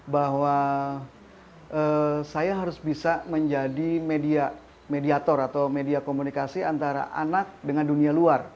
bahwa saya harus bisa menjadi mediator atau media komunikasi antara anak dengan dunia luar